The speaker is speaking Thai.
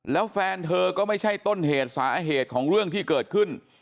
แล้วแฟนเธอก็ไม่ใช่ต้นเหตุสาเหตุของเรื่องที่เกิดขึ้น